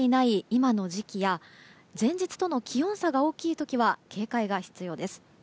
今の時期や前日との気温差が大きい時は警戒が必要です。